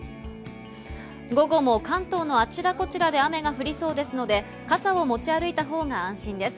午後も関東のあちらこちらで雨が降りそうですので傘を持ち歩いたほうが安心です。